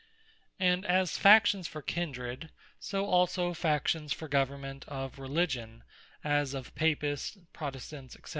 Factions For Government And as Factions for Kindred, so also Factions for Government of Religion, as of Papists, Protestants, &c.